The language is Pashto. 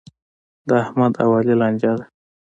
د احمد او علي لانجه ده.